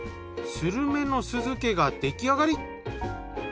スルメの酢漬けが出来上がり。